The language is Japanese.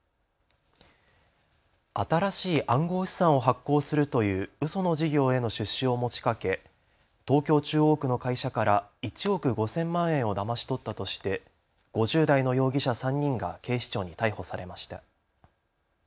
新しい暗号資産を発行するといううその事業への出資を持ちかけ東京中央区の会社から１億５０００万円をだまし取ったとして５０代の容疑者３人が警視庁に逮捕されました。